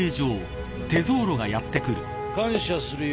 ・感謝するよ